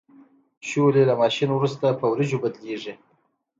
شولې له ماشین وروسته په وریجو بدلیږي.